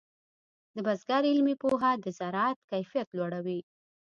د بزګر علمي پوهه د زراعت کیفیت لوړوي.